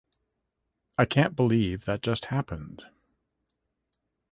I can't believe that just happened.